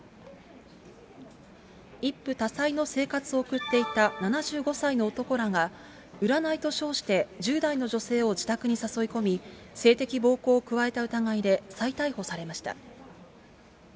一夫多妻の生活を送っていた７５歳の男らが、占いと称して１０代の女性を自宅に誘い込み、性的暴行を加えた疑いで再逮捕されました。